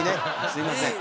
すいません。